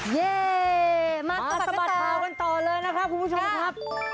เย่มาสะบัดข่าวกันต่อเลยนะครับคุณผู้ชมครับ